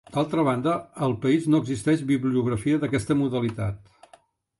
D'altra banda, al país no existeix bibliografia d'aquesta modalitat.